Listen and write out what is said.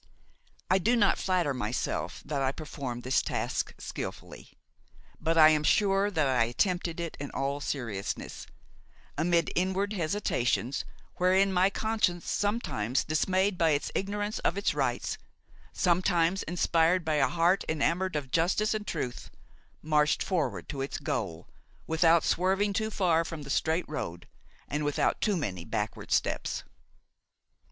I do not flatter myself that I performed this task skilfully; but I am sure that I attempted it in all seriousness, amid inward hesitations wherein my conscience, sometimes dismayed by its ignorance of its rights, sometimes inspired by a heart enamored of justice and truth, marched forward to its goal, without swerving too far from the straight road and without too many backward steps.